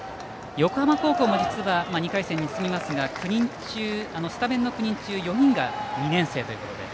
横浜高校も２回戦に進みますが実はスタメンの９人中４人が２年生ということで。